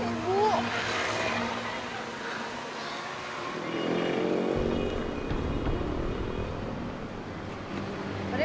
membuat balik hati manusia